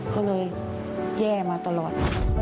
ก็เลยแย่มาตลอด